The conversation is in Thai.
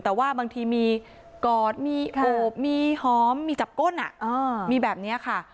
แต่ว่าบางทีมีกอดมีโอบมีหอมมีจับก้นมีแบบนี้ค่ะ